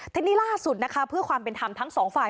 ทีนี้ล่าสุดนะคะเพื่อความเป็นธรรมทั้งสองฝ่าย